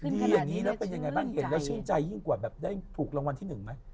เห็นแล้วชื่นใจยิ่งกว่าแบบได้ถูกรางวัลที่หนึ่งมั้ย